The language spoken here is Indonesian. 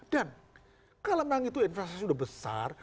dan kalau memang itu investasi sudah besar